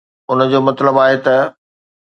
ان جو مطلب آهي ته.